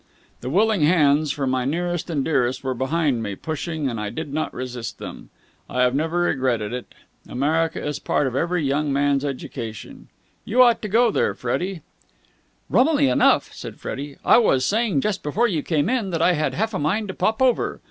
The willing hands for my nearest and dearest were behind me, pushing, and I did not resist them. I have never regretted it. America is a part of every young man's education. You ought to go there, Freddie." "Rummily enough," said Freddie, "I was saying just before you came in that I had half a mind to pop over.